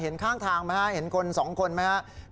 เห็นข้างทางไหมครับเห็นสองคนไหมครับ